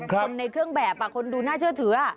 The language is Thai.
คนในเครื่องแบบคนดูน่าเชื่อถือ